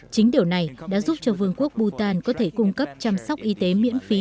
chính điều này đã giúp cho vương quốc bhutan có thể cung cấp chăm sóc y tế miễn phí